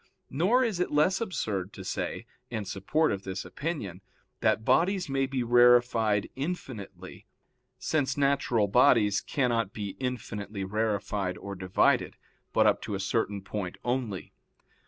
Nor is it less absurd to say, in support of this opinion, that bodies may be rarefied infinitely, since natural bodies cannot be infinitely rarefied or divided, but up to a certain point only.